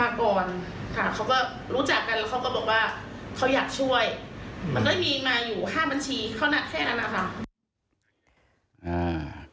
มันก็มีมาอยู่๕บัญชีเท่านั้นแค่นั้นค่ะ